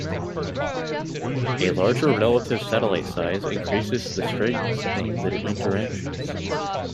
A larger relative satellite size increases the strength of their interactions.